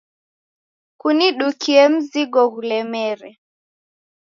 Kunidukie mzigo ghulemere.